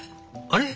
あれ？